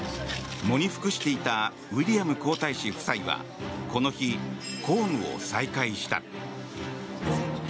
喪に服していたウィリアム皇太子夫妻はこの日、公務を再開した。